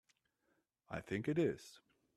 I think it is.